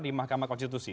di mahkamah konstitusi